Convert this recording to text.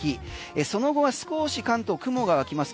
その後は少し関東、雲が湧きます